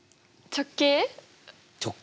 直径。